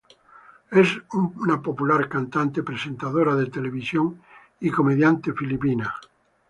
Es una popular cantante, presentadora de televisión y comediante filipina.